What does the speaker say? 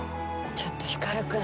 ちょっと光くん。